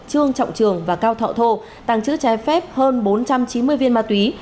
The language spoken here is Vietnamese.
trương trọng trường và cao thọ thô tăng chữ trái phép hơn bốn trăm chín mươi viên ma túy